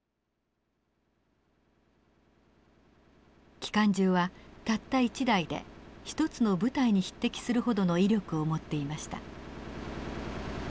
機関銃はたった一台で一つの部隊に匹敵するほどの威力を持っていました。